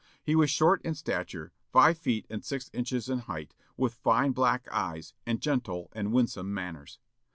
He was short in stature, five feet and six inches in height; with fine black eyes, and gentle and winsome manners.